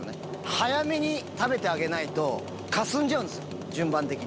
早めに食べてあげないと、かすんじゃうんですよ、順番的に。